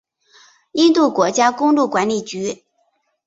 印度国家公路管理局。